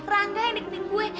rangga yang niketin gue